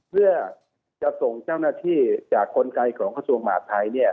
เพื่อจะส่งเจ้าหน้าที่จากคนไกลของข้อสูงหมาภัย